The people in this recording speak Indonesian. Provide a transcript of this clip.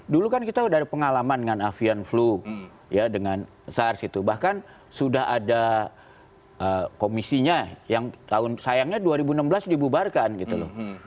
dulu kan kita sudah ada pengalaman dengan avian flu dengan sars itu bahkan sudah ada komisinya yang tahun sayangnya dua ribu enam belas dibubarkan gitu loh